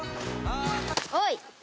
おい！